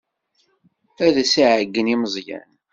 Ad as-iɛeyyen i Meẓyan.